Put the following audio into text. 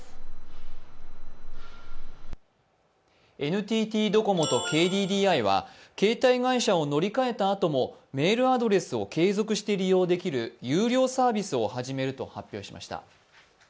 ＮＴＴドコモとＫＤＤＩは携帯会社を乗り換えたあともメールアドレスを継続して利用できる有料サービスを始めると発表しました。